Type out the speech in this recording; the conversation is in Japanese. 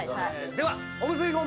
では。